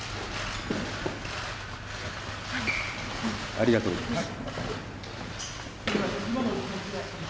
ありがとうございます。